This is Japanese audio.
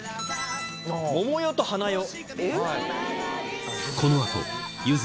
「『ももよ』と『はなよ』」。